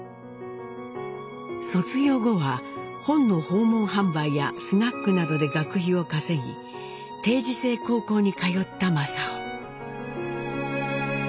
卒業後は本の訪問販売やスナックなどで学費を稼ぎ定時制高校に通った正雄。